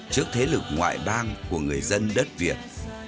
trước thế lực ngoại bang của người dân đất việt